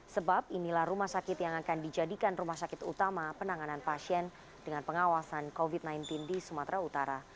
sebab inilah rumah sakit yang akan dijadikan rumah sakit utama penanganan pasien dengan pengawasan covid sembilan belas di sumatera utara